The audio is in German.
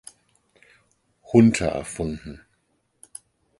Hunter erfunden.